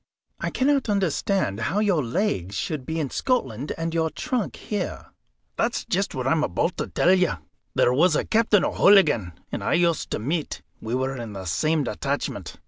"I cannot understand how that your legs should be in Scotland and your trunk here." "That's just what I'm aboot to tell you. There was a Captain O'Hooligan and I used to meet; we were in the same detachment.